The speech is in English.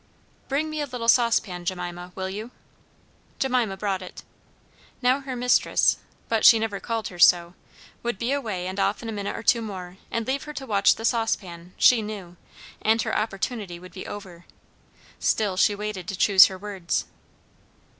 "Bring me a little saucepan, Jemima, will you?" Jemima brought it. Now her mistress (but she never called her so) would be away and off in a minute or two more, and leave her to watch the saucepan, she knew, and her opportunity would be over. Still she waited to choose her words.